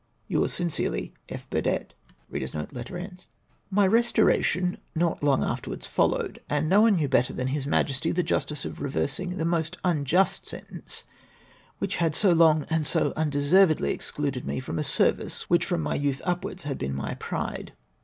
" Yours sincerely, " F. Burdett." Y 3 326 aiY RESTORATION TO RANK. My restoration not long afterwards followed, and no one knew better than His Majesty the justice of reversing the unjust sentence which had so long and so undeservedly excluded me from a ser\TLce which from my youth upwards had been my pride.